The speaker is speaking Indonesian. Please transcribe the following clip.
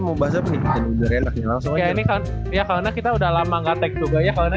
mau bahasa penikitan udah enaknya langsung ya karena kita udah lama nggak teks juga ya kalau